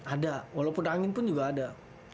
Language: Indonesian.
ada walaupun angin pun juga ada